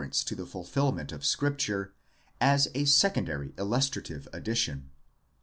ence to the fulfilment of Scripture as a secondary illustrative addition.